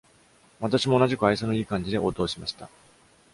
私も同じく愛想のいい感じで応答しました。